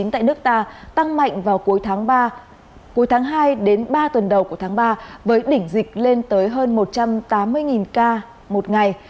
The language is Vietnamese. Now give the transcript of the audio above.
tại nước ta tăng mạnh vào cuối tháng hai đến ba tuần đầu của tháng ba với đỉnh dịch lên tới hơn một trăm tám mươi ca một ngày